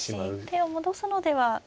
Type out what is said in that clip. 手を戻すのでは。